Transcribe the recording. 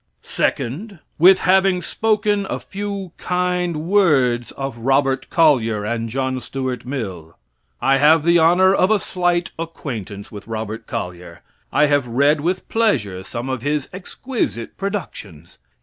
Second. With having spoken a few kind words of Robert Collyer and John Stuart Mill. I have the honor of a slight acquaintance with Robert Collyer. I have read with pleasure some of his exquisite productions.